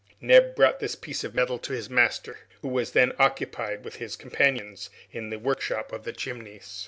Neb brought this piece of metal to his master, who was then occupied with his companions in the workshop of the Chimneys.